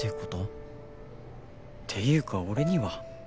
っていうか俺には？